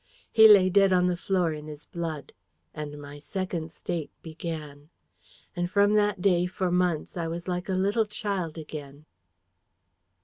He lay dead on the floor in his blood. And my Second State began. And from that day, for months, I was like a little child again."